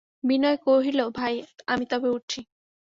বিনয় কহিল, ভাই, আমি তবে উঠি।